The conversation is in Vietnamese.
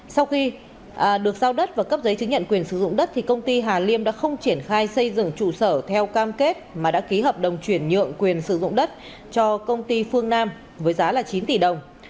sau khi được giao đất và cấp giấy chứng nhận quyền sử dụng đất công ty hà liêm đã không triển khai xây dựng trụ sở theo cam kết mà đã ký hợp đồng chuyển nhượng quyền sử dụng đất cho công ty phương nam với giá chín tỷ đồng